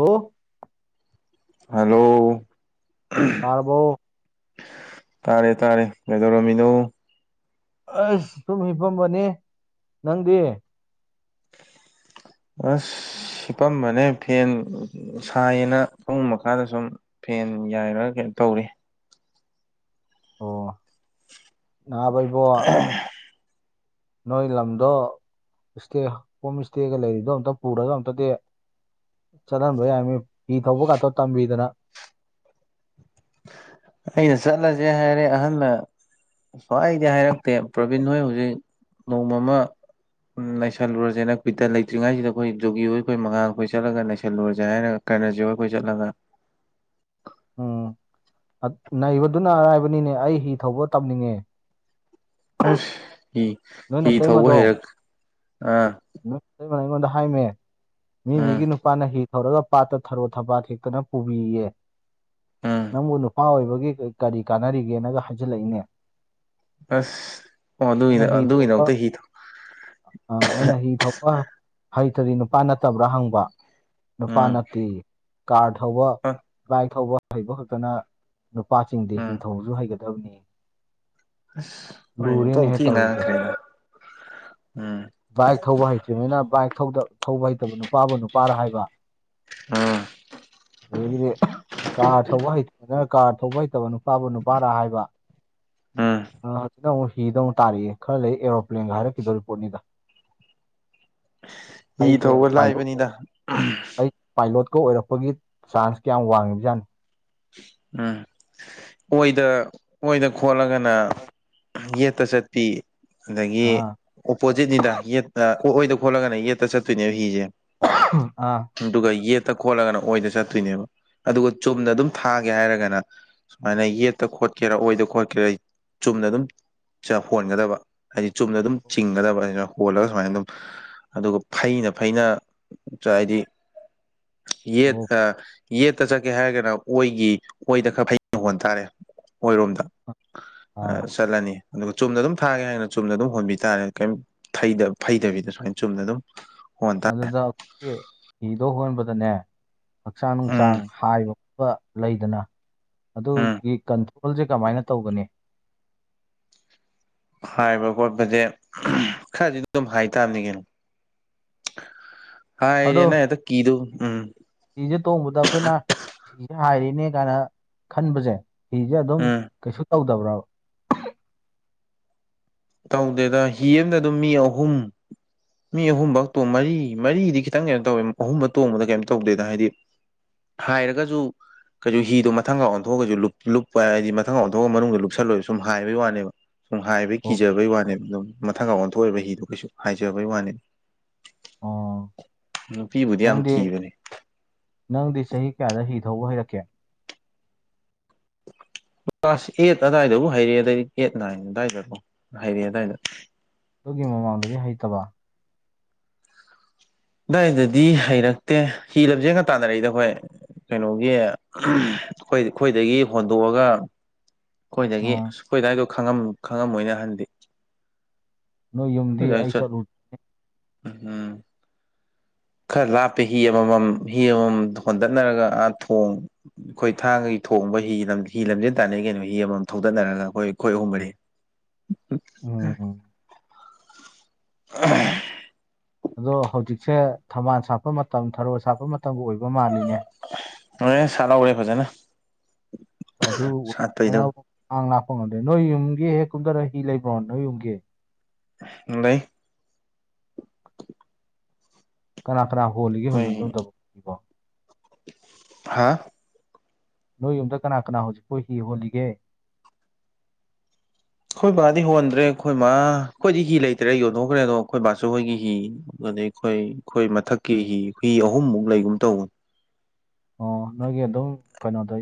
ꯑꯣ ꯍꯜꯂꯣ ꯊꯥꯕꯣ ꯇꯥꯔꯦ ꯇꯥꯔꯦ ꯀꯩꯗꯧꯔꯝꯃꯤꯅꯣ ꯑꯁ ꯁꯨꯝ ꯍꯐꯝꯝꯕꯅꯤ ꯅꯪꯗꯤ ꯑꯁ ꯁꯤꯄꯝꯕꯅꯦ ꯐꯦꯟ ꯁꯥꯏꯌꯦꯅ ꯄꯨꯡ ꯃꯈꯥꯗ ꯁꯨꯝ ꯐꯦꯟ ꯌꯥꯏꯔꯒ ꯀꯩꯅꯣ ꯇꯧꯔꯤ ꯑꯣ ꯕꯩꯕꯣ ꯅꯣꯏ ꯂꯝꯗꯣ ꯏꯁꯇꯦ ꯍꯣꯝ ꯏꯁꯇꯦꯒ ꯂꯩꯔꯤꯗꯣ ꯑꯝꯇ ꯄꯨꯔꯒ ꯑꯝꯇꯗꯤ ꯆꯠꯍꯟꯕ ꯌꯥꯏꯃꯤ ꯐꯤ ꯊꯧꯕ ꯈꯇ ꯇꯝꯕꯤꯗꯅ ꯑꯩꯅ ꯆꯠꯂꯁꯦ ꯍꯥꯏꯔꯦ ꯑꯍꯜꯗ ꯁ꯭ꯋꯥꯏꯗꯤ ꯍꯥꯏꯔꯛꯇꯦ ꯄ꯭ꯔꯕꯤꯟ ꯍꯣꯏ ꯍꯧꯖꯤꯛ ꯅꯣꯡꯃꯃ ꯎꯝ ꯅ ꯂꯩꯁꯜꯂꯨꯔꯁꯦ ꯅꯈꯨꯏꯗ ꯂꯩꯇ꯭ꯔꯤꯉꯩꯁꯤꯗ ꯑꯩꯈꯣꯏ ꯖꯒꯤ ꯍ ꯑꯩꯈꯣꯏꯉꯥ ꯑꯩꯈꯣꯏ ꯆꯠꯂꯒ ꯂꯩꯁꯜꯂꯨꯔꯁꯦ ꯍꯥꯏꯔꯒ ꯀꯥꯏꯅꯁꯤꯕ ꯑꯩꯈꯣꯏ ꯆꯠꯂꯒ ꯎꯝ ꯅꯩꯕꯗꯨꯅ ꯑꯔꯥꯏꯕꯅꯤꯅꯦ ꯑꯩ ꯍꯤ ꯊꯧꯕ ꯇꯝꯅꯤꯡꯉꯦ ꯑꯁ ꯍꯤ ꯅꯣꯏ ꯍꯤ ꯊꯧꯕ ꯅꯇꯩꯃꯗꯣ ꯍꯩꯔꯛ ꯑꯥ ꯂꯩꯕꯅ ꯑꯩꯉꯣꯟꯗ ꯍꯥꯏꯃꯦ ꯃꯤ ꯎꯝ ꯃꯤꯒꯤ ꯅꯨꯄꯥ ꯄꯥꯅ ꯍꯤ ꯊꯧꯔꯒ ꯄꯥꯠꯇ ꯊꯔꯣ ꯊꯕꯥꯠ ꯍꯦꯛꯇꯅ ꯄꯨꯕꯤꯌꯦ ꯎꯝ ꯅꯪꯕꯨ ꯅꯨꯄꯥ ꯑꯣꯏꯕꯒꯤ ꯀꯔꯤ ꯀꯥꯟꯅꯔꯤꯒꯦꯅꯒ ꯍꯥꯏꯖꯤꯜꯂꯛꯏꯅꯦ ꯑꯁ ꯑꯣ ꯑꯗꯨꯒꯤꯗ ꯑꯗꯨꯒꯤꯗ ꯑꯨꯛꯇ ꯍꯤ ꯊ ꯑ ꯑꯩꯅ ꯍꯤ ꯊꯣꯛꯄ ꯍꯩꯇꯔꯤ ꯅꯨꯄꯥ ꯅꯠꯇꯕ꯭ꯔꯥ ꯍꯪꯕ ꯅꯨꯄꯥ ꯎꯝ ꯅꯠꯇꯦ ꯀꯥꯔ ꯊꯧꯕ ꯑ ꯕꯥꯏꯛ ꯊꯧꯕ ꯍꯩꯕ ꯈꯛꯇꯅ ꯅꯨꯄꯥꯁꯤꯡꯗꯤ ꯎꯝ ꯅꯤꯡꯊꯧꯁꯨ ꯍꯩꯒꯗꯕꯅꯤ ꯑꯁ ꯍꯣꯏ ꯇꯣ ꯂꯨꯔꯦꯅꯦꯍꯦ ꯊꯤ ꯇꯧꯔꯤꯁꯦ ꯉꯥꯡꯉꯈ꯭ꯔꯦꯗ ꯎꯝ ꯕꯥꯏꯛ ꯊꯧꯕ ꯍꯩꯇ꯭ꯔꯤꯉꯩꯅ ꯕꯥꯏꯛ ꯊꯧꯕ ꯍꯩꯇꯕ ꯅꯨꯄꯥꯕꯨ ꯅꯨꯄꯥꯔ ꯍꯥꯏꯕ ꯎꯝ ꯑꯗꯨꯗꯒꯤꯗꯤ ꯀꯥꯔ ꯊꯧꯕ ꯍꯩꯇ ꯅꯅ ꯀꯥꯔ ꯊꯧꯕ ꯍꯩꯇꯕꯅ ꯅꯨꯄꯥꯕꯨ ꯅꯨꯄꯥꯔ ꯍꯥꯏꯕ ꯎꯝ ꯑꯗꯨꯗ ꯑꯃꯨꯛ ꯍꯤꯗ ꯑꯃꯨꯛ ꯇꯥꯔꯤꯛꯑꯦ ꯈꯔ ꯂꯩ ꯑꯦꯔꯣꯄ꯭ꯂꯦꯟꯒ ꯍꯥꯏꯔꯛꯈꯤꯗꯣ ꯔꯤꯄꯣꯔꯠꯅꯤꯗ ꯍꯤ ꯑꯩꯁꯦ ꯊꯧꯕ ꯄꯥꯏꯂꯣꯠ ꯂꯥꯏꯕꯅꯤꯅ ꯑꯩ ꯄꯥꯏꯂꯣꯠꯀ ꯑꯣꯏꯔꯛꯄꯒꯤ ꯆꯥꯟꯁ ꯀꯌꯥꯝ ꯋꯥꯡꯉꯤ ꯖꯥꯠꯅꯤ ꯎꯝ ꯑꯣꯏꯗ ꯑꯣꯏꯗ ꯈꯣꯠꯂꯒꯅ ꯌꯦꯠꯇ ꯆꯠꯄꯤ ꯑꯗꯒꯤ ꯑꯥ ꯑꯣꯄꯣꯖꯤꯠꯅꯤꯗ ꯌꯦꯠꯇ ꯀꯣꯛꯑꯣꯏꯗ ꯈꯣꯠꯂꯒꯅꯦ ꯌꯦꯠꯇ ꯆꯠꯇꯣꯏꯅꯦꯕ ꯍꯤꯤꯁꯦ ꯑꯥ ꯑꯗꯨꯒ ꯌꯦꯠꯇ ꯈꯣꯠꯂꯒꯅ ꯑꯣꯏꯅꯗ ꯆꯠꯇꯣꯏꯅꯦꯕ ꯑꯗꯨꯒ ꯆꯨꯝꯅ ꯑꯗꯨꯝ ꯊꯥꯒꯦ ꯍꯥꯏꯔꯒꯅ ꯁꯨꯃꯥꯏꯅ ꯌꯦꯠꯇ ꯈꯣꯠꯀꯦꯔꯥ ꯑꯣꯏꯗ ꯈꯣꯠꯀꯦꯔꯥ ꯆꯨꯝꯅ ꯑꯗꯨꯝ ꯁꯤꯗ ꯍꯣꯟꯒꯗꯕ ꯍꯥꯏꯗꯤ ꯆꯨꯝꯅ ꯑꯗꯨꯝ ꯆꯤꯡꯒꯗꯕ ꯑꯁꯤꯅ ꯍꯣꯜꯂꯒ ꯁꯨꯃꯥꯏꯅ ꯑꯗꯨꯝ ꯑꯗꯨꯒ ꯐꯩꯅ ꯐꯩꯅ ꯍꯥꯏꯗꯤ ꯌꯦꯠ ꯑꯣ ꯌꯦꯠꯇ ꯆꯠꯀꯦ ꯍꯥꯏꯔꯒꯅ ꯑꯣꯏꯒꯤ ꯑꯣꯏꯗ ꯈꯔ ꯐꯖ ꯍꯣꯟ ꯇꯥꯔꯦ ꯑꯣꯏꯔꯣꯝꯗ ꯑꯥ ꯆꯠꯂꯅꯤ ꯑꯗꯨꯒ ꯆꯨꯝꯅ ꯑꯗꯨꯝ ꯊꯥꯒꯦ ꯍꯥꯏꯒꯅ ꯆꯨꯝꯅ ꯑꯗꯨꯝ ꯍꯣꯟꯕꯤꯕꯥꯔꯦ ꯀꯩ ꯐꯩꯗꯕꯤꯗ ꯁꯨꯃꯥꯏꯅ ꯆꯨꯝꯅ ꯑꯗꯨꯝ ꯍꯣꯅꯩ ꯑꯗꯨꯗ ꯑꯩꯈꯣꯏꯒꯤ ꯐꯤꯗꯣ ꯍꯣꯟꯕꯗꯅꯦ ꯍꯛꯆꯥꯡ ꯎꯝ ꯅꯨꯡꯁꯥꯡ ꯍꯥꯏꯕ ꯈꯣꯠꯄ ꯂꯩꯗꯅ ꯎꯝ ꯑꯗꯨꯒꯤ ꯀꯟꯇ꯭ꯔꯣꯜꯁꯦ ꯀꯃꯥꯏꯅ ꯇꯧꯒꯅꯤ ꯍꯥꯏꯕ ꯈꯣꯠꯄꯁꯦ ꯈꯔꯗꯤ ꯑꯗꯨꯝ ꯍꯥꯏꯇꯥꯥꯕꯅꯤꯉꯩꯅ [unintelligible] ꯍꯥꯥ ꯑꯦꯔꯤꯦ ꯅ ꯀꯤꯗꯨꯣ ꯎꯝ ꯁꯤꯤꯁꯦ ꯇꯣꯡꯕꯗ ꯑꯩꯈꯣꯏꯅ ꯁꯤꯤꯁꯦ ꯍꯥꯏꯔꯤꯅꯦ ꯀꯥꯏꯅ ꯈꯟꯕꯁꯦ ꯐꯤꯁꯦ ꯑꯗꯨꯝ ꯎꯝ ꯀꯩꯁꯨ ꯇꯧꯗꯕ꯭ꯔꯕ ꯇꯧꯗꯦꯗ ꯍꯤ ꯑꯦꯝꯗ ꯑꯗꯨꯝ ꯃꯤ ꯑꯍꯨꯝ ꯃꯤ ꯑꯍꯨꯝꯐ ꯇꯣꯡ ꯃꯔꯤ ꯃꯔꯤꯗꯤ ꯈꯤꯇꯪ ꯀꯩꯅꯣ ꯇꯧꯋꯦ ꯑꯍꯨꯝꯕ ꯇꯣꯡꯕꯗ ꯀꯩꯝꯇ ꯇꯧꯗꯦꯗ ꯍꯥꯏꯗꯤ ꯍꯥꯏꯔꯒꯁꯨ ꯀꯩꯁꯨ ꯍꯤꯗꯣ ꯃꯊꯪ ꯂꯥꯎ ꯑꯣꯟꯊꯣꯛꯑꯒꯩꯁꯨ ꯂꯨꯞ ꯂꯨꯞꯄ ꯍꯥꯏꯗꯤ ꯃꯊꯪ ꯂ ꯑꯣꯟꯊꯣꯛꯑ ꯃꯅꯨꯡꯗ ꯂꯨꯞꯜꯂꯣꯏꯁꯨ ꯁꯨꯝ ꯍꯥꯏꯕꯒꯤ ꯋꯥꯅꯦꯕ ꯁꯨꯝ ꯍꯥꯏꯕꯩ ꯑꯣ ꯀꯤꯖꯕꯩ ꯋꯥꯅꯦ ꯑꯗꯨꯝ ꯃꯊꯥꯀꯥꯟ ꯑꯣꯟꯊꯣꯛ ꯑꯣꯏꯕ ꯍꯤꯗꯣ ꯀꯩꯁꯨ ꯍꯥꯏꯖꯕꯩ ꯋꯥꯅꯤ ꯑꯣ ꯅꯨꯄꯤꯕꯨꯗꯤ ꯌꯥꯝ ꯅꯪꯗꯤ ꯀꯤꯕꯅꯦ ꯅꯪꯗꯤ ꯆꯍꯤ ꯀꯌꯥꯗ ꯍꯤ ꯊꯧꯕ ꯍꯩꯔꯛꯀꯦ ꯀ꯭ꯂꯥꯁ ꯑꯦꯠ ꯑꯗꯥꯏꯗꯕꯨ ꯍꯩꯔꯛꯑꯦꯗ ꯑꯩꯗꯤ ꯑꯦꯠ ꯅꯥꯏꯟ ꯑꯗꯥꯏꯗꯀꯣ ꯍꯩꯔꯛꯑꯦ ꯑꯗꯥꯏꯗ ꯑꯗꯨꯒꯤ ꯃꯃꯥꯡꯗꯗꯤ ꯍꯩꯇꯕ ꯑꯗꯨꯗꯥꯏꯗꯗꯤ ꯍꯩꯔꯛꯇꯦ ꯍꯤꯔꯕꯁꯦꯒ ꯇꯥꯟꯅꯔꯛꯏꯗ ꯑꯩꯈꯣꯏ ꯀꯩꯅꯣꯒꯤ ꯑꯩꯈꯣꯏ ꯑꯩꯈꯣꯏꯗꯒꯤ ꯍꯣꯟꯗꯣꯛꯑꯒ ꯑꯩꯈꯣꯏꯗꯒꯤ ꯑꯥ ꯁꯨꯈꯣꯏꯗꯥꯏꯗꯣ ꯈ ꯈꯪꯉꯝꯃꯣꯏꯅꯦ ꯑꯍꯟꯗꯤ ꯅꯣꯏ ꯌꯨꯝꯗꯤ ꯑꯩꯈꯣꯏ ꯑꯗꯥꯏ ꯑꯩ ꯆꯠ ꯆꯠꯂꯨ ꯎꯝ ꯈꯔ ꯂꯥꯞꯄꯦ ꯍꯤ ꯑꯃꯃꯝ ꯍꯤ ꯑꯃꯃꯝ ꯍꯣꯟꯗꯅꯔꯒ ꯑꯥ ꯊꯣꯡ ꯑꯩꯈꯣꯏ ꯊꯥꯡꯒꯒꯤ ꯊꯣꯡꯕ ꯍꯤ ꯍꯤ ꯂꯝꯖꯦꯜ ꯇꯥꯟꯅ ꯀꯩꯅꯣ ꯍꯤ ꯑꯃꯃꯝ ꯊꯧꯗꯠꯅꯔꯒ ꯑꯩꯈꯣꯏ ꯑꯩꯈꯣꯏ ꯑꯍꯨꯝ ꯃꯔꯤ [unintelligible] ꯎꯝ [unintelligible] ꯑꯗꯣ ꯍꯧꯖꯤꯛꯁꯦ ꯊꯝꯕꯥꯜ ꯁꯥꯠꯄ ꯃꯇꯝ ꯊꯥꯔꯣ ꯁꯥꯠꯄ ꯃꯇꯝꯕꯨ ꯑꯣꯏꯕ ꯃꯥꯜꯂꯤꯅꯦ ꯑꯣꯔꯦꯟ ꯁꯥꯠꯍꯧꯔꯦ ꯐꯖꯅ ꯑꯗꯨ ꯎ ꯁꯥꯠꯄꯩꯗꯣ ꯍꯦꯟꯑꯥꯎ ꯈꯥꯡ ꯂꯥꯛꯄ ꯉꯝꯗ꯭ꯔꯦ ꯅꯣꯏ ꯌꯨꯝꯒꯤ ꯍꯦꯛ ꯀꯨꯝꯊꯥꯔ ꯍꯤ ꯂꯩꯕ꯭ꯔꯣ ꯅꯣꯏ ꯌꯨꯝꯒꯤ ꯂꯩ ꯀꯅꯥ-ꯀꯅꯥ ꯍꯣꯜꯂꯤꯒꯦ ꯍꯧꯖꯤꯛ ꯌꯨꯝꯗꯕꯣ ꯍꯥꯥ ꯅꯣꯏ ꯌꯨꯝꯗ ꯀꯅꯥ-ꯀꯅꯥ ꯍꯧꯖꯤꯛ ꯄꯨ ꯍꯤ ꯍꯣꯜꯂꯤꯒꯦ ꯑꯩꯈꯣꯏ ꯕꯥꯗꯤ ꯍꯣꯟꯗ꯭ꯔꯦ ꯑꯩꯈꯣꯏ ꯃꯥ ꯑꯩꯈꯣꯏꯗꯤ ꯍꯤ ꯂꯩꯇ꯭ꯔꯦ ꯌꯣꯟꯊꯣꯛꯈ꯭ꯔꯦ ꯑꯗꯣ ꯑꯩꯈꯣꯏ ꯕꯥꯆꯧ ꯍꯣꯏꯒꯤ ꯍꯤ ꯑꯗꯩ ꯑꯩꯈꯣꯏ-ꯑꯩꯈꯣꯏ ꯃꯊꯛꯀꯤ ꯍꯤ-ꯍꯤ ꯑꯍꯨꯝꯃꯨꯛ ꯂꯩꯒꯨꯝ ꯇꯧꯕꯅꯤ ꯑꯣ ꯅꯣꯏꯒꯤ ꯑꯗꯨꯝ ꯀꯩꯅꯣꯗ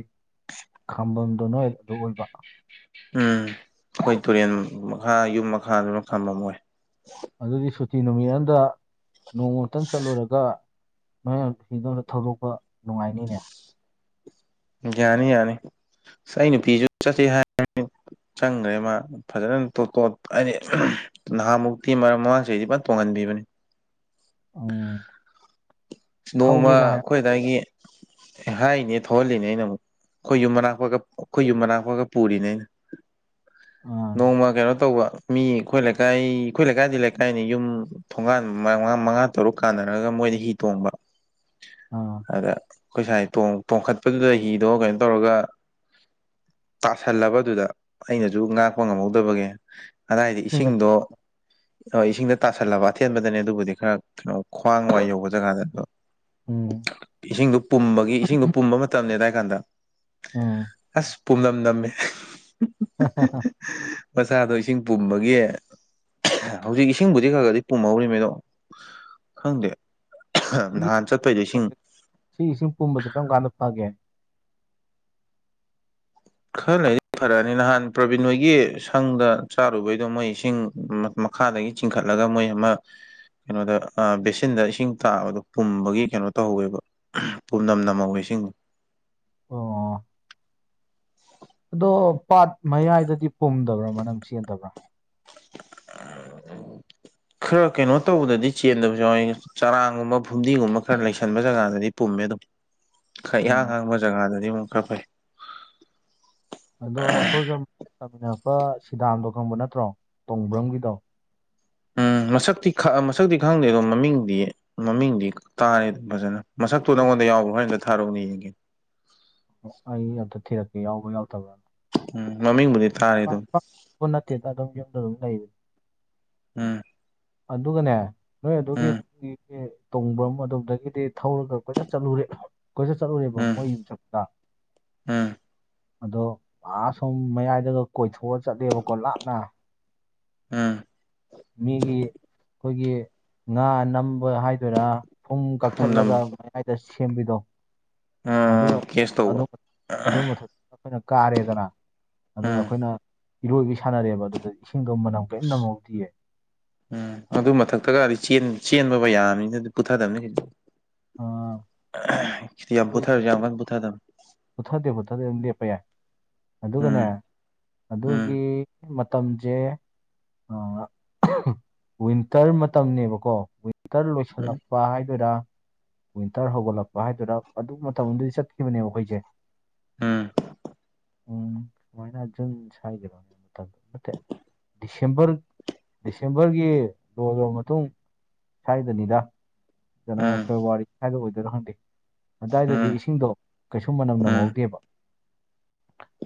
ꯈꯥꯝꯕꯝꯗꯣ ꯅꯣꯏ ꯑꯗꯨ ꯑꯣꯏꯕ ꯎꯝ ꯑꯈꯣꯏ ꯇꯨꯔꯦꯟ ꯃꯈꯥ ꯌꯨꯝ ꯃꯈꯥꯗꯨꯅ ꯈꯝꯕꯝ ꯑꯣꯏ ꯑꯗꯨꯒꯤ ꯁꯨꯇꯤ ꯅꯨꯃꯤꯠ ꯑꯃꯗ ꯅꯣꯡꯃꯇꯪ ꯆꯠꯂꯨꯔꯒ ꯃꯥꯔꯛ ꯍꯤꯗꯨ ꯑꯝꯗ ꯊꯧꯗꯣꯛꯄ ꯅꯨꯡꯉꯥꯏꯅꯤꯅꯦ ꯌꯥꯅꯤ-ꯌꯥꯅꯤ ꯑꯩ ꯅꯨꯄꯤꯖꯨ ꯆꯠꯁꯦ ꯍꯥꯏꯕꯅꯤ ꯆꯪꯒ꯭ꯔꯦ ꯃꯥ ꯐꯖꯥꯅ ꯇꯣ-ꯇꯣꯠ ꯑꯥꯏꯗꯤ ꯅꯍꯥꯃꯨꯛꯇꯤ ꯃꯔꯛ ꯃꯃꯥꯡ ꯆꯍꯤꯗꯤ ꯑꯩꯗꯤ ꯐꯖꯅ ꯇꯣꯡꯍꯟꯕꯤꯕꯅꯤ ꯎꯝ ꯅꯣꯡꯃ ꯊꯧꯒꯦꯒ ꯍꯥꯏꯔ ꯑꯈꯣꯏ ꯑꯗꯥꯏꯒꯤ ꯍꯥꯏꯔꯤꯅꯦ ꯊꯧꯍꯜꯂꯤꯅꯦ ꯑꯩꯅ ꯑꯃꯨꯛ ꯑꯩꯈꯣꯏ ꯌꯨꯝ ꯃꯅꯥꯛꯄꯀ ꯑꯩꯈꯣꯏ ꯌꯨꯝ ꯃꯅꯥꯛꯄꯒ ꯄꯨꯔꯤꯅꯦ ꯑꯩꯅ ꯑꯥ ꯅꯣꯡꯃ ꯀꯩꯅꯣ ꯇꯧꯕ ꯃꯤ ꯑꯩꯈꯣꯏ ꯂꯩꯀꯥꯏ ꯑꯩꯈꯣꯏ ꯂꯩꯀꯥꯏꯗꯤ-ꯂꯩꯀꯥꯏꯅꯤ ꯌꯨꯝ ꯊꯣꯡꯒꯥꯟ ꯃꯉꯥ-ꯃꯉꯥ ꯇꯔꯨꯛ ꯀꯥꯟꯅꯔꯒ ꯃꯣꯏꯗ ꯍꯤ ꯇꯣꯡꯕ ꯑꯥ ꯑꯗꯥ ꯑꯩꯈꯣꯏ ꯁꯥꯏ ꯇꯣꯡ-ꯇꯣꯡꯈꯠꯄꯗꯨꯗ ꯍꯤꯗꯣ ꯀꯩꯅꯣ ꯇꯧꯔꯒ ꯇꯥꯁꯜꯂꯕꯥꯗꯨꯗ ꯑꯩꯅꯖꯨ ꯉꯥꯛꯄ ꯉꯝꯍꯧꯗꯕꯒꯤ ꯑꯗꯥꯏꯗꯤ ꯏꯁꯤꯡꯗ ꯏꯁꯤꯡꯗꯣ-ꯏꯁꯤꯡꯗ ꯇꯥꯁꯜꯂꯕ ꯑꯊꯦꯟꯕꯗꯅꯦ ꯑꯗꯨꯕꯨꯗꯤ ꯈꯔ ꯀꯩꯅꯣ ꯈ꯭ꯋꯥꯡ ꯋꯥꯏ ꯌꯧꯕ ꯖꯒꯥꯗ ꯑꯗꯣ ꯎꯝ ꯏꯁꯤꯡꯗꯨ ꯄꯨꯝꯕꯒꯤ ꯏꯁꯤꯡꯗꯨ ꯄꯨꯝꯕ ꯃꯇꯝ ꯅꯦ ꯑꯗꯥꯏ ꯀꯥꯟꯗ ꯎꯝ ꯑꯁ ꯄꯨꯝꯅꯝ ꯅꯝꯃꯦ ꯃꯁꯥꯗꯣ ꯏꯁꯤꯡ ꯄꯨꯝꯕꯒꯤ ꯍꯧꯖꯤꯛ ꯏꯁꯤꯡꯕꯨꯗꯤ ꯈꯔ-ꯈꯔꯗꯤ ꯄꯨꯝꯍꯧꯔꯤꯅꯤꯗꯣ ꯈꯪꯗꯦ ꯁꯤꯒꯤ ꯅꯍꯥꯟ ꯆꯠꯄꯩꯗꯣ ꯏꯁꯤꯡ ꯁꯤ ꯏꯁꯤꯡ ꯄꯨꯝꯕꯖꯤ ꯀꯔꯝ ꯀꯥꯟꯗ ꯐꯥꯒꯦ ꯈꯔ ꯂꯩꯗꯤ ꯐꯔꯛꯑꯅꯤ ꯅꯍꯥꯟ ꯄ꯭ꯔꯕꯤꯟ ꯍꯣꯏꯒꯤ ꯁꯪꯗ ꯆꯥꯔꯨꯕꯩꯗꯣ ꯃꯣꯏ ꯏꯁꯤꯡ ꯃꯈꯥꯗꯒꯤ ꯆꯤꯡꯈꯠꯂꯒ ꯃꯣꯏ ꯑꯃ ꯀꯩꯅꯣꯗ ꯑꯥ ꯕꯦꯁꯤꯟꯗ ꯏꯁꯤꯡ ꯇꯥꯕꯗꯣ ꯄꯨꯝꯕꯒꯤ ꯀꯩꯅꯣ ꯇꯧꯍꯧꯋꯦꯕ ꯄꯨꯝꯅꯝꯅ ꯅꯝꯍꯧꯋꯤ ꯏꯁꯤꯡ ꯑꯣ ꯑꯗꯣ ꯄꯥꯠ ꯃꯌꯥꯏꯗꯗꯤ ꯄꯨꯝꯗꯕ꯭ꯔꯥ ꯃꯅꯝ ꯆꯦꯟꯗꯕ꯭ꯔꯥ [unintelligible] ꯈꯔ ꯀꯩꯅꯣ ꯇꯧꯕꯗꯗꯤ ꯆꯦꯟꯗꯕꯁꯨ ꯌꯥꯎꯋꯏ ꯆꯔꯥꯡꯒꯨꯝꯕ ꯐꯨꯝꯗꯤꯒꯨꯝꯕ ꯈꯔ ꯂꯩꯁꯟꯕ ꯖꯒꯥꯗꯗꯤ ꯄꯨꯝꯃꯦ ꯑꯗꯨꯝ ꯈꯔ ꯏꯍꯥꯡ ꯎꯝ ꯍꯥꯡꯕ ꯖꯒꯥꯗꯗꯤ ꯑꯃꯨꯛ ꯈꯔ ꯐꯩ ꯑꯗꯣ ꯑꯩꯈꯣꯏꯒ ꯇꯥꯃꯤꯟꯅꯔꯛꯄ ꯁꯤꯗꯥꯝꯗꯣ ꯈꯪꯕ ꯅꯠꯇ꯭ꯔꯣ ꯇꯣꯡꯕ꯭ꯔꯝꯒꯤꯗꯣ ꯎꯝ ꯃꯁꯛꯇꯤ ꯃꯁꯛꯇꯤ ꯈꯪꯗꯦ ꯑꯗꯣ ꯃꯃꯤꯡꯗꯤ ꯃꯃꯤꯡꯗꯤ ꯇꯥꯔꯦ ꯑꯗꯨꯝ ꯐꯖꯅ ꯃꯁꯛꯇꯣ ꯅꯉꯣꯟꯗ ꯌꯥꯎꯕ꯭ꯔꯣ ꯍꯣꯔꯦꯟ ꯑꯝꯇ ꯊꯥꯔꯛꯎꯅ ꯌꯦꯡꯒꯦ ꯑꯩ ꯑꯝꯇ ꯊꯤꯔꯛꯀꯦ ꯌꯥꯎꯕ-ꯌꯥꯎꯗꯕ꯭ꯔꯥꯅ ꯎꯝ ꯃꯃꯤꯡꯕꯨꯗꯤ ꯇꯥꯔꯦ ꯑꯗꯨꯝ [inaudible] ꯅꯠꯇꯦꯗ ꯑꯗꯨꯝ ꯌꯨꯝꯗ ꯑꯗꯨꯝ ꯂꯩꯔꯤ ꯎꯝ ꯑꯗꯨꯒꯅꯦ ꯅꯣꯏ ꯑꯗꯨꯒꯤ ꯎꯝ [inaudible] ꯇꯣꯡꯕ꯭ꯔꯝ ꯑꯗꯣꯝꯗꯒꯤꯗꯤ ꯊꯧꯔꯥꯒ ꯀꯣꯏꯆꯠ ꯆꯠꯂꯨꯔꯦ ꯀꯣꯏꯆꯠ ꯆꯠꯂꯨꯔꯦꯕ ꯎꯝ ꯃꯣꯏ ꯌꯨꯝ ꯆꯠꯄꯗ ꯎꯝ ꯑꯗꯣ ꯑꯥ ꯑꯁꯣꯝ ꯃꯌꯥꯏꯗꯒ ꯀꯣꯏꯊꯣꯛꯑ ꯆꯠꯂꯦꯕꯀꯣ ꯂꯥꯞꯅ ꯎꯝ ꯃꯤꯒꯤ ꯑꯩꯈꯣꯏꯒꯤ ꯉꯥ ꯅꯝꯕ ꯍꯥꯏꯗꯣꯏꯔꯥ ꯐꯨꯝ ꯐꯨꯝꯅꯝ ꯀꯛꯊꯠꯂꯒ ꯃꯌꯥꯏꯗ ꯁꯦꯝꯕꯤꯗꯣ ꯎꯝ ꯑꯗꯨꯒ ꯀꯦꯁ ꯇꯧꯕ ꯑꯩꯈꯣꯏꯅ ꯀꯥꯔꯦꯗꯅ ꯑ ꯎꯝ ꯑꯩꯈꯣꯏꯅ ꯏꯔꯣꯏꯕꯤ ꯁꯥꯟꯅꯔꯦꯕ ꯑꯗꯨꯗ ꯏꯁꯤꯡꯒ ꯃꯅꯝ ꯀꯔꯤꯝ ꯅꯝꯍꯧꯗꯌꯦ ꯎꯝ ꯑꯗꯨ ꯃꯊꯛꯇꯒꯗꯤ ꯆꯦꯟꯕꯕ ꯌꯥꯝꯃꯤꯅ ꯄꯨꯊꯗꯕꯅꯤ ꯍꯧꯖꯤꯛꯇ ꯑꯥ ꯁꯤ ꯌꯥꯝꯕꯨꯊꯔꯖ ꯑꯃꯥꯏ ꯄꯨꯊꯥꯏꯗꯝ ꯄꯨꯨꯊꯗꯦ ꯄꯨꯨꯊꯗꯦ ꯑꯗꯨꯝ ꯂꯦꯞꯄ ꯌꯥꯏ ꯑꯗꯨꯒꯅꯦ ꯎꯝ ꯎꯝ ꯑꯗꯨꯒꯤ ꯃꯇꯝꯁꯦ ꯋꯤꯟꯇꯔ ꯃꯇꯝꯅꯦꯕꯀꯣ ꯋꯤꯟꯇꯔ ꯎꯝ ꯂꯣꯏꯁꯤꯜꯂꯛꯄ ꯍꯥꯏꯗꯨꯔ ꯋꯤꯟꯇꯔ ꯍꯧꯒꯠꯂꯛꯄ ꯍꯥꯏꯗꯨꯔ ꯑꯗꯨ ꯃꯇꯝꯗꯨꯗꯤ ꯆꯠꯈꯤꯕꯅꯦꯕ ꯑꯩꯈꯣꯏꯁꯦ ꯎꯝ ꯎꯝ ꯁꯨꯃꯥꯏꯅ ꯖꯟ ꯁ ꯍꯥꯏꯒꯤꯔꯣꯅꯦ ꯃꯇꯝꯗ ꯅꯠꯇꯦ ꯗꯤꯁꯦꯝꯕꯔ ꯗꯤꯁꯦꯝꯕꯔꯒꯤ ꯂꯣꯏꯔꯕ ꯃꯇꯨꯡ ꯁ꯭ꯋꯥꯏꯗꯅꯤꯗ ꯖꯅꯋꯥꯔꯤ ꯎꯝ ꯐꯦꯕꯋꯥꯔꯤ ꯁ꯭ꯋꯥꯏꯗ ꯑꯣꯏꯗꯣꯏꯔꯣ ꯍꯪꯗꯦ ꯑꯗꯨꯋꯥꯏꯗꯗꯤ ꯎꯝ ꯏꯁꯤꯡꯗꯣ ꯀꯩꯁꯁꯨ ꯃꯅꯝ ꯎꯝ ꯅꯝꯍꯧꯗꯦꯕ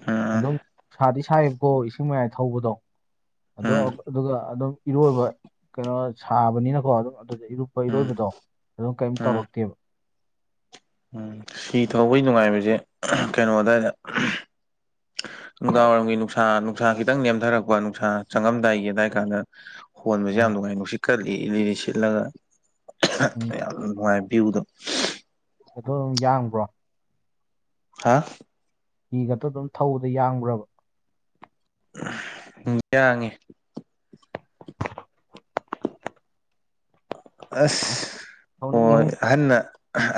ꯎꯝ ꯑꯗꯨꯝ ꯁꯥꯗꯤ ꯁꯥꯏꯕꯀꯣ ꯏꯁꯤꯡ ꯃꯌꯥꯏ ꯊꯧꯕꯗꯣ ꯑꯗ ꯎꯝ ꯑꯗꯨꯒ ꯑꯗꯨꯝ ꯏꯔꯣꯏꯕ ꯀꯩꯅꯣ ꯁꯥꯕꯅꯤꯅꯀꯣ ꯑꯗꯨꯝ ꯑꯗꯨꯗ ꯑꯄ ꯎꯝ ꯏꯔꯣꯏꯕꯗꯣ ꯑꯗꯨꯝ ꯀꯩꯝ ꯎꯝ ꯇꯧꯔꯛꯇꯦꯕ ꯎꯝ ꯁꯤ ꯊꯧꯕꯒꯤ ꯅꯨꯡꯉꯥꯏꯕꯁꯦ ꯀꯩꯅꯣꯗ ꯅꯨꯡꯗꯥꯡꯋꯥꯏꯔꯝꯒꯤ ꯅꯨꯡꯁꯥ ꯅꯨꯡꯁꯥ ꯈꯤꯇꯪ ꯅꯦꯝꯊꯔꯛꯄ ꯅꯨꯡꯁꯥ ꯆꯪꯉꯝꯗꯥꯏꯒꯤꯗꯥꯋꯥꯏ ꯀꯥꯟꯗ ꯍꯣꯟꯕꯁꯦ ꯑ ꯌꯥꯝ ꯅꯨꯡꯉꯥꯏ ꯅꯨꯡꯁꯤꯠ ꯀꯠꯂꯤ ꯏ ꯂꯤꯂꯤ ꯁꯤꯠꯂꯒ ꯎꯝ ꯌꯥꯝ ꯅꯨꯡꯉꯥꯏ ꯚ꯭ꯌꯨꯗꯣ ꯑꯗꯨꯝ ꯌꯥꯡꯕ꯭ꯔꯣ ꯍꯥ ꯍꯤ ꯈꯛꯇ ꯑꯗꯨꯝ ꯊꯧꯕꯗ ꯌꯥꯡꯈ꯭ꯔꯕ ꯌꯥꯡꯉꯤ ꯑꯁ ꯍꯣꯏ ꯑꯍꯟꯅ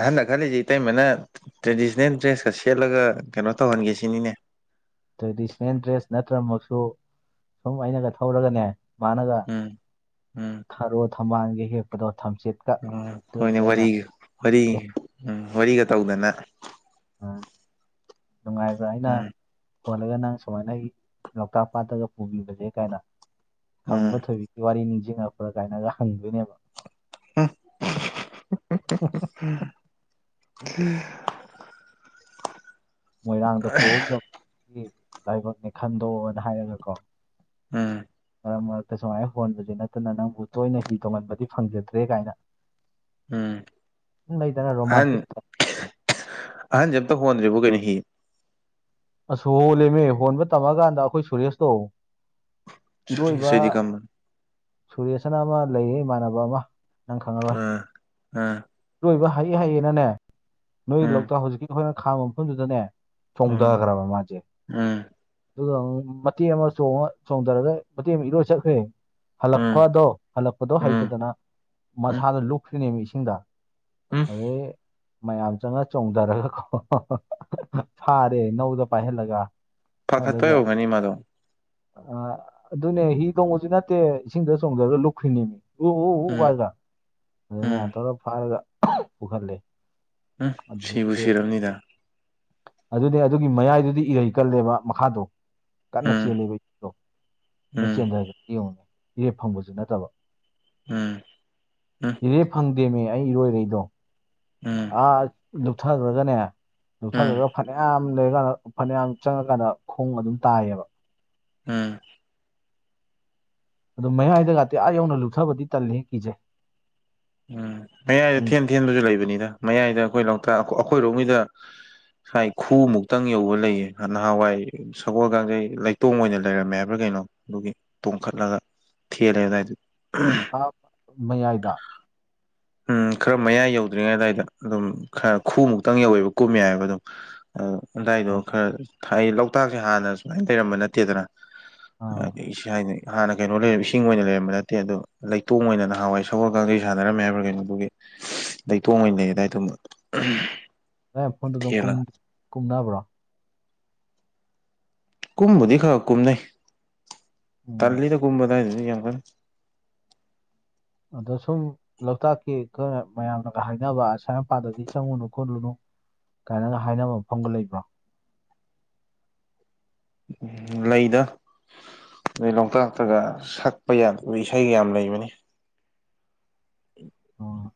ꯑꯍꯟꯗꯛ ꯈꯜꯂꯤꯁꯤꯦ ꯏꯇꯩꯃꯅ ꯇ꯭ꯔꯦꯗꯤꯁꯅꯦꯜ ꯗ꯭ꯔꯦꯁꯀ ꯁꯦꯠꯂꯒ ꯀꯩꯅꯣ ꯇꯧꯍꯟꯒꯦ ꯁꯤꯅꯤꯅꯦ ꯇ꯭ꯔꯦꯗꯤꯁꯟꯅꯜ ꯗ꯭ꯔꯦꯁ ꯅꯠꯇ꯭ꯔꯃꯛꯁꯨ ꯁꯨꯝ ꯑꯩꯅꯒ ꯊꯧꯔꯒꯅꯦ ꯃꯥꯅꯒ ꯎꯝ ꯎꯝ ꯈꯔꯣ ꯊꯝꯕꯥꯜꯒ ꯍꯦꯛꯄꯗꯣ ꯊꯝꯆꯤꯠ ꯎ ꯍꯣꯏꯅꯦ ꯋꯥꯔꯤ ꯆꯦ ꯎꯝ ꯋꯥꯔꯤꯒ ꯇꯧꯗꯅ ꯎꯝ ꯅꯨꯡꯉꯥꯏꯕ ꯑꯩꯅ ꯎꯝ ꯍꯣꯜꯂꯒ ꯅꯪ ꯁꯨꯃꯥꯏꯅ ꯂꯣꯛꯇꯥꯛ ꯄꯥꯠꯇꯒ ꯄꯨꯕꯤꯕꯁꯦ ꯀꯥꯏꯅ ꯎꯝ ꯈꯝꯕ ꯊꯣꯏꯏ ꯋꯥꯔꯤ ꯅꯤꯡꯁꯤꯡꯉꯄ꯭ꯔꯒ ꯀꯥꯏꯅꯒ ꯍꯪꯗꯣꯏꯅꯦꯕ ꯑ ꯃꯣꯏꯔꯥꯡꯗ ꯐꯍꯧꯗꯕꯒꯤ ꯂꯥꯏꯕꯛꯅꯤ ꯈꯟꯗꯣꯛꯑꯣꯅ ꯍꯥꯏꯔꯒꯀꯣ ꯎꯝ ꯃꯔꯛ ꯃꯔꯛꯇ ꯁꯨꯃꯥꯏꯅ ꯍꯣꯟꯕꯁ ꯅꯠꯇꯅ ꯅꯪꯕꯨ ꯇꯣꯏꯅ ꯍꯤ ꯇꯣꯡꯍꯟꯕꯗꯤ ꯐꯪꯖꯗ꯭ꯔꯦ ꯀꯥꯏꯅ ꯎꯝ ꯅ ꯇꯅ ꯔꯣꯃꯇꯛ ꯑꯍꯟ ꯑꯍꯟꯁꯦ ꯑꯃꯇ ꯍꯣꯟꯗ꯭ꯔꯤꯕꯕꯨ ꯀꯩꯅꯣ ꯍ ꯑꯁ ꯍꯣꯜꯂꯤꯦꯃꯦ ꯍꯣꯟꯕ ꯇꯝꯃꯀꯥꯟꯗ ꯑꯩꯈꯣꯏ ꯁꯨꯔꯦꯁꯇꯣ ꯏꯔꯣꯏꯕ ꯁꯨꯔꯦꯁꯍꯣꯏꯗꯤ ꯀꯝꯕꯅꯣ ꯁꯨꯔꯦꯁꯅ ꯑꯃ ꯂꯩꯌꯦ ꯏꯃꯥꯟꯅꯕ ꯑꯃ ꯅꯪ ꯈꯪꯉꯔꯕꯏ ꯑꯥ ꯑꯥ ꯂꯣꯏꯕ ꯍꯥꯏꯩ ꯍꯥꯏꯌꯦꯅꯅꯦ ꯅꯣꯏ ꯎꯝ ꯂꯣꯛꯇ ꯍꯧꯖꯤꯛꯀꯤ ꯑꯩꯈꯣꯏꯅ ꯈꯥꯕ ꯃꯐꯝꯗꯨꯗꯅꯦ ꯎꯝ ꯗꯈ꯭ꯔ ꯃꯥꯆꯦ ꯎꯝ ꯑꯗꯨꯒ ꯃꯇꯦꯛ ꯑꯃ ꯆꯣꯡꯉ ꯆꯣꯡꯊꯔꯒ ꯃꯇꯦꯛ ꯑꯃ ꯏꯔꯣꯏ ꯆꯠꯈ꯭ꯔꯦ ꯎꯝ ꯍꯜꯂꯛꯄꯗꯣ ꯍꯜꯂꯛꯄꯗꯣ ꯎꯝ ꯍꯩꯇꯗꯅ ꯎꯝ ꯃꯁꯥꯗ ꯂꯨꯞꯈ꯭ꯔꯤꯅꯦꯕ ꯏꯁꯤꯡꯗ ꯎꯝ ꯑꯗꯩ ꯃꯌꯥꯝ ꯆꯪꯉ ꯆꯣꯡꯊꯔꯒꯀꯣ ꯊꯥꯔꯦꯅꯧꯗ ꯄꯥꯏꯍꯜꯂꯒ ꯐꯥꯈꯠꯄ ꯌꯧꯒꯅꯤ ꯃꯥꯗꯣ ꯑ ꯑꯗꯨꯅꯦ ꯍꯤ ꯇꯣꯡꯕꯁꯨ ꯅꯠꯇꯦ ꯏꯁꯤꯡꯗ ꯆꯣꯡꯊꯔ ꯂꯨꯞꯈ꯭ꯔꯤꯅꯦꯃꯤ ꯎ ꯎ ꯎ ꯎꯝ ꯋꯥꯥꯏꯖ ꯑꯗꯨ ꯃꯌꯥꯝ ꯎꯝ ꯇꯧꯔ ꯐꯥꯔꯒ ꯄꯨꯈꯠꯂꯦ ꯎꯝ ꯁꯤꯕꯨ ꯑꯗꯨꯗꯒꯤꯗꯤ ꯁꯔꯝꯅꯤꯗ ꯑꯗꯨꯅꯦ ꯑꯗꯨꯒꯤ ꯃꯌꯥꯏꯗꯨꯗꯤ ꯏꯔꯩ ꯀꯜꯂꯦꯕ ꯃꯈꯥꯗꯣ ꯀꯟꯅ ꯎꯝ ꯆꯦꯂꯦꯕꯗꯣ ꯃꯣꯏ ꯎꯝ ꯆꯦꯟꯊꯔꯒꯗꯤ ꯌꯦꯡꯉꯨꯉꯦ ꯏꯔꯦꯞ ꯐꯪꯕꯁꯨ ꯅꯠꯇꯕ ꯎꯝ ꯎꯝ ꯏꯔꯦ ꯐꯪꯗꯦꯃꯦ ꯑꯩ ꯏꯔꯣꯏꯔꯛꯗꯣ ꯎꯝ ꯑꯥ ꯊꯈ꯭ꯔꯒꯅꯦ ꯎꯝ ꯌꯣꯛꯊꯥꯗꯨꯒ ꯐꯅꯌꯥꯝ ꯂꯩꯔꯀꯥꯟꯗ ꯐꯅꯌꯥꯝ ꯆꯪꯉꯀꯥꯟꯗ ꯈꯣꯡ ꯑꯗꯨꯝ ꯇꯥꯏꯌꯦꯕ ꯎꯝ ꯑꯗꯨ ꯃꯌꯥꯏꯗꯒꯇꯤ ꯑꯥ ꯌꯧꯅ ꯂꯨꯞꯊꯕꯗꯤ ꯇꯜꯂꯤ ꯀꯤꯁꯦ ꯎꯝ ꯃꯌꯥꯏꯗ ꯊꯦꯟ ꯊꯦꯟꯕꯁꯨ ꯂꯩꯕꯅꯤꯗ ꯃꯌꯥꯏꯗ ꯑꯩꯈꯣꯏ ꯂꯣꯛꯇꯥꯛ ꯑꯩꯈꯣꯏꯔꯣꯝꯒꯤꯗ ꯉꯥꯏ ꯈꯨꯎꯃꯨꯛꯇꯪ ꯌꯧꯕ ꯂꯩꯌꯦ ꯅꯍꯥꯟꯋꯥꯏ ꯁꯒꯣꯜ ꯀꯥꯡꯖꯩ ꯂꯩꯇꯣꯡ ꯑꯣꯏꯅ ꯂꯩꯔꯝꯃꯦ ꯍꯥꯏꯕ꯭ꯔꯥ ꯀꯩꯅꯣ ꯑꯗꯨꯒꯤ ꯇꯣꯡꯈꯠꯂꯒ ꯊꯂ ꯇꯇ ꯃꯌꯥꯏꯗ ꯎꯝ ꯈꯔ ꯃꯌꯥꯏ ꯌꯧꯗ꯭ꯔꯤꯉꯩ ꯑꯗꯨꯋꯥꯏꯗ ꯑꯗꯨꯝ ꯈꯔ ꯈꯨꯃꯨꯛꯇꯪ ꯌꯧꯋꯦꯕ ꯀꯨꯝꯃꯦ ꯍꯥꯏꯕ ꯑꯗꯨꯝ ꯑꯗꯨꯗꯥꯏꯗꯣ ꯑꯥ ꯈꯔ ꯑꯩ ꯂꯣꯛꯇꯥꯛꯁꯦ ꯍꯥꯟꯅ ꯁꯨꯃꯥꯏꯅ ꯂꯩꯔꯝꯕ ꯅꯠꯇꯦꯗꯅ ꯑꯥ ꯑꯁ ꯍꯥꯏꯅꯤ ꯍꯥꯟꯅ ꯀꯩꯅꯣ ꯂꯩꯔꯝ ꯏꯁꯤꯡ ꯑꯣꯏꯅ ꯂꯩꯔꯝꯕ ꯅꯠꯇꯦ ꯑꯗꯨ ꯂꯩꯇꯣꯡ ꯑꯣꯏꯅ ꯅꯍꯥꯎꯋꯥꯏ ꯁꯒꯣꯜ ꯀꯥꯡꯖꯩꯥꯟꯅꯔꯝꯃꯦ ꯍꯥꯏꯕ꯭ꯔꯥ ꯀꯩꯅꯣ ꯑꯗꯨꯒꯤ ꯂꯩꯇꯣꯡ ꯑꯣꯏꯅꯩ ꯑꯗꯨꯗꯥꯏ ꯑꯗꯨꯝ ꯑꯦ ꯐꯣꯟꯗꯨ ꯑꯗꯨꯝ ꯀꯨꯝꯅꯕ꯭ꯔꯣ ꯀꯨꯝꯕꯗꯤ ꯈ ꯀꯨꯝꯅꯩ ꯎꯝ ꯇꯜꯂꯤꯗ ꯀꯨꯝꯕꯗꯗꯗꯤ ꯌꯥꯝ ꯀ ꯑꯗꯣ ꯁꯨꯝ ꯂꯣꯛꯇꯥꯛꯀꯤ ꯈꯈꯔ ꯃꯌꯥꯝꯅꯒ ꯍꯥꯏꯅꯕ ꯁꯁꯥꯏ ꯃꯄꯥꯗꯗꯤ ꯆꯪꯉꯨꯅꯨ ꯈꯣꯠꯂꯨꯅꯨ ꯀꯥꯏꯅꯒ ꯍꯥꯏꯅꯕ ꯃꯐꯝꯒ ꯂꯩꯕ꯭ꯔꯣ ꯂꯩꯗ ꯑꯗꯩ ꯂꯣꯛꯇꯥꯛꯇꯒ ꯁꯛꯄ ꯌꯥꯗꯕ ꯏꯁꯩꯒ ꯌꯥꯝ ꯂꯩꯕꯅꯤ ꯎꯝ ꯑꯣ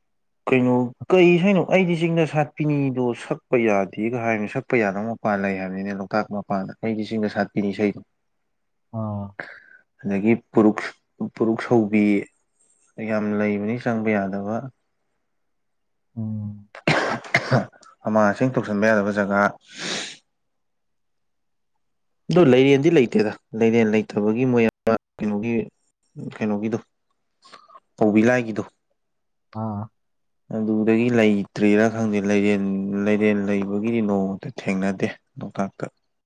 ꯀꯩꯅꯣ ꯀꯩ ꯁꯩꯅꯣ ꯑꯩꯗꯤ ꯆꯤꯡꯗ ꯁꯥꯠꯄꯤꯅꯤꯗꯣ ꯁꯛꯄ ꯌꯥꯗꯦꯒ ꯍꯥꯏꯅ ꯁꯛꯄ ꯌꯥꯗꯝꯃꯣ ꯃꯄꯥꯟ ꯂꯩ ꯍꯥꯏꯕꯅꯤꯅ ꯂꯣꯛꯇꯥꯛ ꯃꯄꯥꯟꯗ ꯑꯩꯗꯤ ꯁꯤꯡꯒ ꯁꯥꯠꯄꯤꯅꯤ ꯏꯁꯩꯗꯣ ꯑꯣ ꯑꯗꯒꯤ ꯄꯨꯛ ꯄꯨꯔꯨꯛ ꯁꯧꯕꯤ ꯌꯥꯝ ꯂꯩꯕꯅꯤ ꯆꯪꯕ ꯌꯥꯗꯕ ꯎꯝ ꯑꯃꯥꯡ ꯑꯁꯦꯡ ꯊꯣꯛꯁꯟꯕ ꯌꯥꯗꯕ ꯖꯒꯥ ꯑ ꯂꯩꯔꯦꯟꯗꯤ ꯂꯩꯇꯦꯗ ꯂꯩꯔꯦꯟ ꯂꯩꯇꯕꯒꯤ ꯃꯣꯏ ꯀꯩꯅꯣꯒꯤ ꯎ ꯀꯩꯅꯣꯒꯤꯗꯣ ꯀꯧꯕꯧꯕꯤ ꯂꯥꯏꯒꯤꯗꯣ ꯑꯥ ꯑꯗꯨꯗꯒꯤ ꯂꯩꯇ꯭ꯔꯤꯔꯥ ꯈꯪꯗꯦ ꯂꯩꯔꯦꯟ ꯂꯩꯔꯦꯟ ꯂꯩꯕꯒꯤꯗꯤ ꯅꯣꯡꯃꯇ ꯊꯦꯡꯅꯗꯦ ꯅꯣꯛꯇꯇ